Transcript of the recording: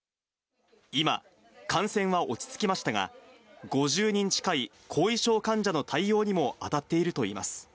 今、感染は落ち着きましたが、５０人近い後遺症患者の対応にも当たっているといいます。